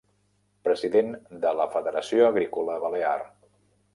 President de la Federació Agrícola Balear.